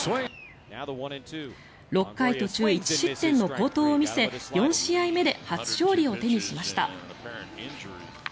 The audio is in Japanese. ６回途中１失点の好投を見せ４試合目で初勝利を手にしました。